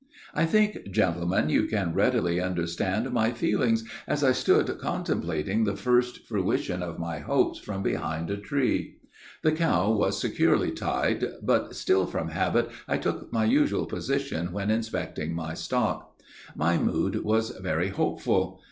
I think, gentlemen, you can readily understand my feelings as I stood contemplating the first fruition of my hopes from behind a tree. The cow was securely tied, but still from habit I took my usual position when inspecting my stock. My mood was very hopeful.